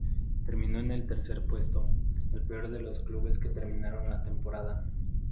Terminó en tercer puesto, el peor de los clubes que terminaron la temporada.